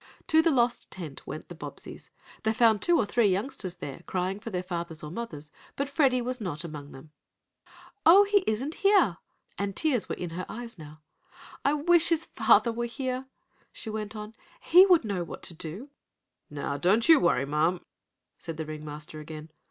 To the lost tent went the Bobbseys. They found two or three youngsters there, crying for their fathers or mothers, but Freddie was not among them. "Oh, he isn't here!" cried Mrs. Bobbsey, and tears were in her eyes now. "I wish his father were here," she went on. "He would know what to do." "Now don't you worry, ma'am," said the ring master again.